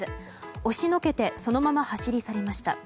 押しのけてそのまま走り去りました。